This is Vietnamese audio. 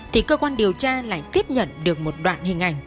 thì cơ quan điều tra lại tiếp nhận được một đoạn hình ảnh